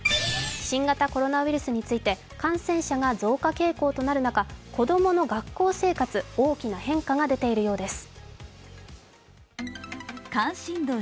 新型コロナウイルスについて感染者が増加傾向となる中子供の学校生活、大きな変化が出ているようです。